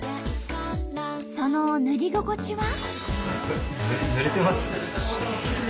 その塗り心地は？